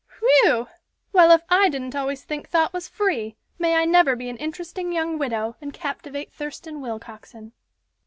"Whe ew! Well, if I didn't always think thought was free, may I never be an interesting young widow, and captivate Thurston Willcoxen."